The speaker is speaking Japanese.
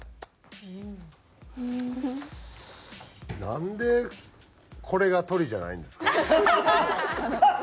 なんでこれがトリじゃないんですか？